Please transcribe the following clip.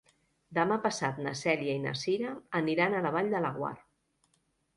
Demà passat na Cèlia i na Cira aniran a la Vall de Laguar.